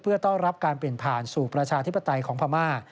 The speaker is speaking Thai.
เพื่อต้อนรับการเปลี่ยนผ่านสู่ประชาธิปไตยของพม่า